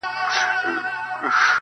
امتحان لره راغلی کوه کن د زمانې یم ,